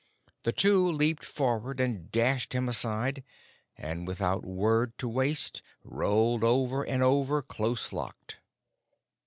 The two leaped forward and dashed him aside, and without word to waste rolled over and over close locked.